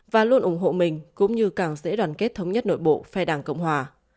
và luôn ủng hộ mình cũng như càng dễ đoàn kết thống nhất nội bộ phe đảng cộng hòa